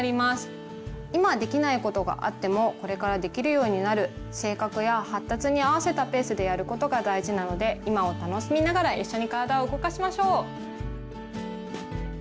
今できないことがあってもこれからできるようになる性格や発達に合わせたペースでやることが大事なので今を楽しみながらいっしょに体を動かしましょう！